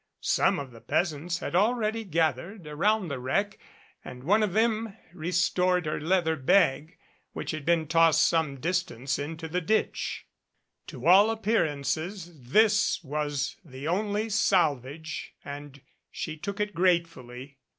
Some of the peasants had already gathered around the 105 MADCAP ^^ wreck and one of them restored her leather bag, which had been tossed some distance into the ditch. To all appear ances this was the only salvage and she took it gratefully.